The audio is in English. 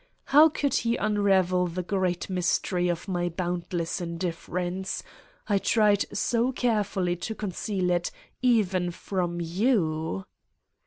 How could he unravel the great mystery of my boundless indifference: I tried so carefuly to conceal it, even from you